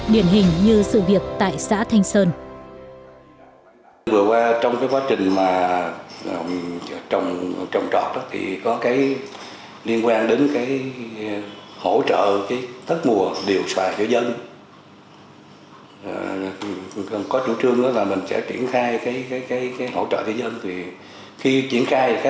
điển hình như sự việc tại xã thanh sơn